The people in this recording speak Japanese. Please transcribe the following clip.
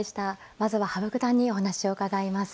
まずは羽生九段にお話を伺います。